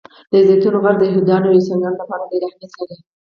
د زیتون غر د یهودانو او عیسویانو لپاره ډېر اهمیت لري.